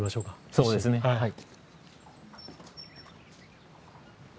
そうですねはい。